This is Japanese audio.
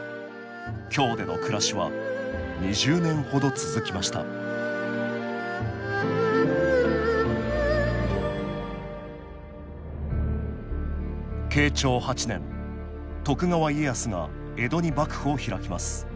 京での暮らしは２０年ほど続きました慶長８年徳川家康が江戸に幕府を開きます。